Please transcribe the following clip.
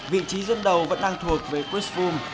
vị trí dân đầu vẫn đang thuộc về chris froome